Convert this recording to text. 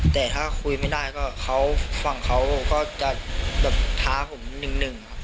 แต่ถ้าคุยไม่ได้ก็เขาฝั่งเขาก็จะแบบท้าผม๑๑ครับ